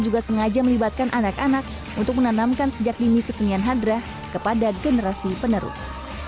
juga sengaja melibatkan anak anak untuk menanamkan sejak dini kesenian hadrah kepada generasi penerus